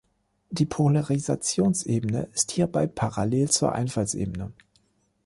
Die Polarisationsebene ist hierbei parallel zur Einfallsebene.